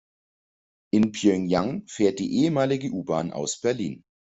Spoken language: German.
In Pjöngjang fährt die ehemalige U-Bahn aus Berlin.